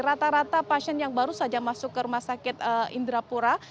rata rata pasien yang baru saja masuk ke rumah sakit indrapura